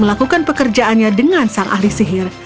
melakukan pekerjaannya dengan sang ahli sihir